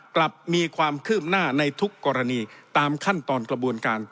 กลับมีความคืบหน้าในทุกกรณีตามขั้นตอนกระบวนการ